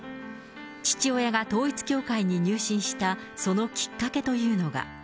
父親が統一教会に入信した、そのきっかけというのが。